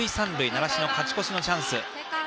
習志野、勝ち越しのチャンス。